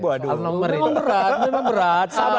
bukan berat bukan berat